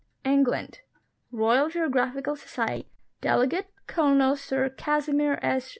ENGLAND. Royal Geographical Society ; delegate, Colonel Sir Casimir S.